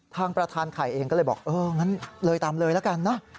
ทางประธานไข่เองก็เลยบอกเอองั้นเลยตามเลยละกันนะ